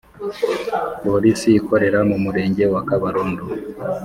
Polisi ikorera mu Murenge wa Kabarondo